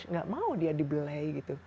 tidak mau dia dibelei